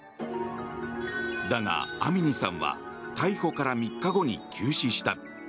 だが、アミニさんは逮捕から３日後に急死した。